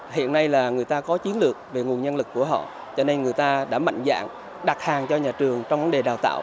hiện nay là người ta có chiến lược về nguồn nhân lực của họ cho nên người ta đã mạnh dạng đặt hàng cho nhà trường trong vấn đề đào tạo